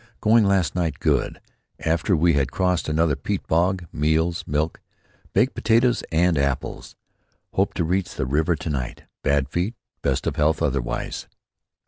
Going last night good, after we had crossed another peat bog. Meals: milk, baked potatoes and apples. Hope to reach the river to night. Bad feet. Best of health otherwise."